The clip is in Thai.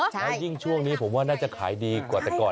แล้วยิ่งช่วงนี้ผมว่าน่าจะขายดีกว่าแต่ก่อน